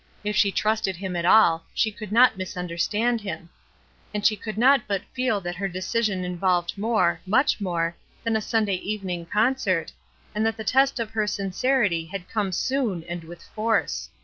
If she trusted him at all, she could not misunderstand him ; and she could not but feel that her decision involved more, much more, than a Sunday evening concert, and that the test of her sincerity had come soon and with force.